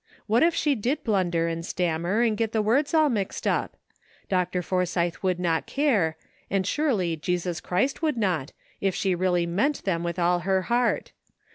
What if she did blunder and stammer and get the words all mixed up? Dr. Forsythe would not care, and surely Jesus Christ would not, if she really meant them with her heart.